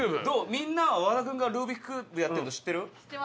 みんなは和田君がルービックキューブやってるの知ってる？」